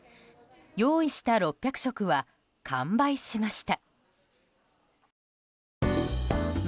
用意した６００食は完売しました。